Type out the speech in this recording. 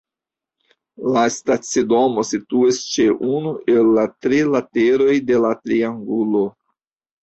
La stacidomo situas ĉe unu el la tri lateroj de la triangulo.